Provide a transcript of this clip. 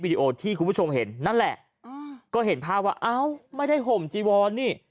ดีโอที่คุณผู้ชมเห็นนั่นแหละก็เห็นภาพว่าเอ้าไม่ได้ห่มจีวอนนี่